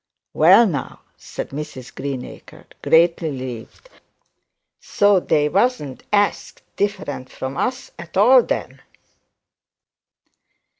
'Well now,' said Mrs Greenacre, greatly relieved, 'so they wasn't axed different from us all then?'